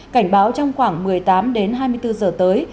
cảnh báo trong khoảng một mươi tám đến hai mươi bốn giờ tới